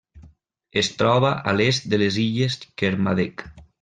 Es troba a l'est de les Illes Kermadec.